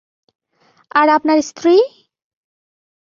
আর আপনার স্ত্রী?